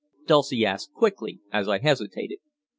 Dulcie asked quickly, as I hesitated.